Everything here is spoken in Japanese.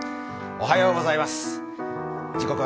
おはようございます。